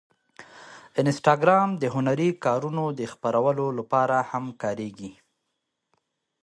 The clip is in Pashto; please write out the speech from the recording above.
انسټاګرام د هنري کارونو د خپرولو لپاره هم کارېږي.